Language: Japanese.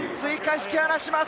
引き離します！